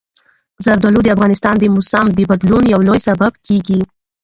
زردالو د افغانستان د موسم د بدلون یو لوی سبب کېږي.